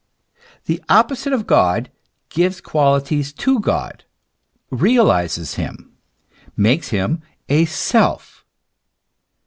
The opposite of God gives qualities to God, realizes him, makes him a Self.